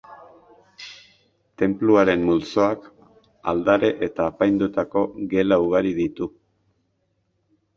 Tenpluaren multzoak, aldare eta apaindutako gela ugari ditu.